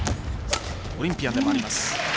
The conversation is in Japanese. オリンピアンでもあります。